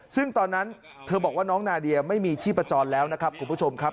ซึ่งตอนนั้นเธอบอกว่าน้องนาเดียไม่มีชีพจรแล้วนะครับคุณผู้ชมครับ